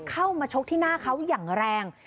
เข้ามาชกที่หน้าเขาอย่างแรง